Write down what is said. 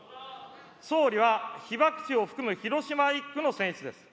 総理は被爆地を含む広島１区の選出です。